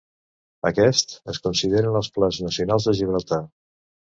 Aquest es consideren els plats nacionals de Gibraltar.